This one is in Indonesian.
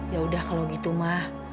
ya udah kalau gitu mah